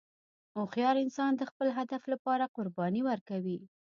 هوښیار انسان د خپل هدف لپاره قرباني ورکوي.